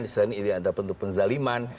di satunya ini adalah bentuk penzaliman